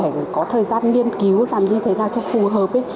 bạn cần phải có thời gian nghiên cứu làm như thế nào cho phù hợp